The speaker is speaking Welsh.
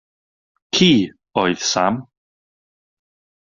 Ci oedd Sam.